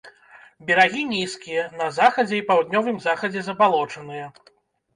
Берагі нізкія, на захадзе і паўднёвым захадзе забалочаныя.